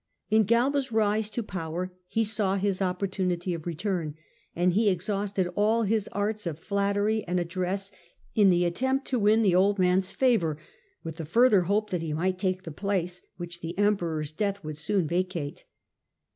In of better Cialba^s rise to power he saw his opportunity *^rovinc^l of return, and he exhausted all his arts of flattery and address in the attempt to win the old man's favour, with the further hope that he might take the place which the Emperor's death would soon ^^^^ vacate.